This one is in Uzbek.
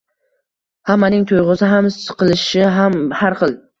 Hammaning tuyg‘usi ham, siqilishi ham har xil.